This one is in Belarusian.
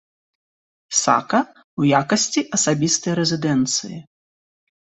Сака ў якасці асабістай рэзідэнцыі.